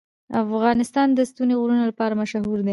افغانستان د ستوني غرونه لپاره مشهور دی.